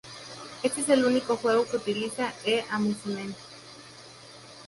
Este es el único juego que utiliza e-Amusement.